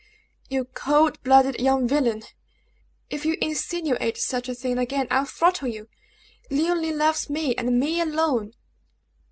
"You cold blooded young villain! if you insinuate such a thing again, I'll throttle you! Leoline loves me, and me alone!"